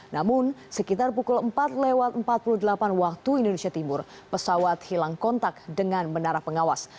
namun sekitar pukul empat lewat empat puluh delapan waktu indonesia timur pesawat hilang kontak dengan menara pengawas